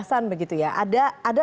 penjelasan begitu ya ada